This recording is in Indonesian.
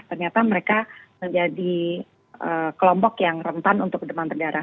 ternyata mereka menjadi kelompok yang rentan untuk demam berdarah